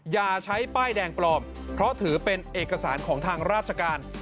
อย่าใช้ป้ายแดงปลอมเพราะถือเป็นเอกสารของทางราชการ